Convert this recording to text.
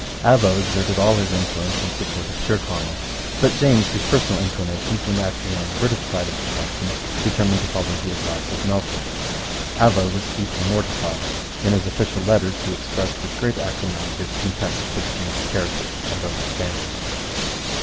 Avaux exerted all his influence in support of Tyrconnel; but James, whose personal inclinations were naturally on the British side of the question, determined to follow the advice of Melfort, Avaux was deeply mortified. In his official letters he expressed with great acrimony his contempt for the King's character and understanding.